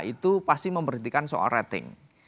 itu pasti memberitikan soal rating